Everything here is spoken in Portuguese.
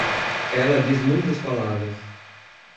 Ela diz muitas palavras.